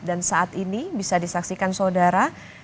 dan saat ini bisa disaksikan saudara